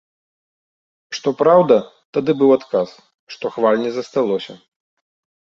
Што праўда, тады быў адказ, што хваль не засталося.